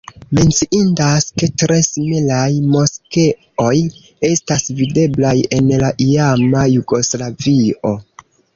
Menciindas, ke tre similaj moskeoj estas videblaj en la iama Jugoslavio.